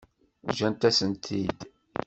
Ǧǧant-asen-tent-id.